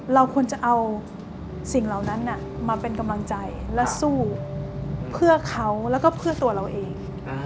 เราควรจะเอาสิ่งเหล่านั้นมาเป็นกำลังใจและสู้เพื่อเขาแล้วก็เพื่อตัวเราเอง